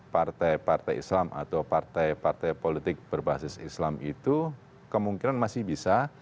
partai partai islam atau partai partai politik berbasis islam itu kemungkinan masih bisa